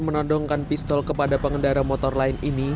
menodongkan pistol kepada pengendara motor lain ini